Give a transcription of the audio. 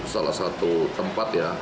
salah satu tempat ya